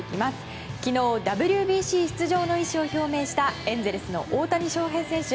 昨日、ＷＢＣ出場の意思を表明したエンゼルスの大谷翔平選手。